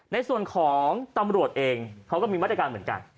ในส่วนของตำรวจเองเขาก็มีมาตรการเหมือนกัน